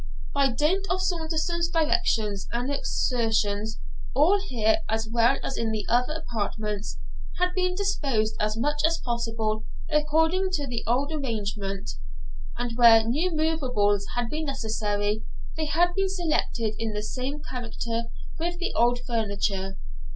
By dint of Saunderson's directions and exertions, all here, as well as in the other apartments, had been disposed as much as possible according to the old arrangement; and where new movables had been necessary, they had been selected in the same character with the old furniture.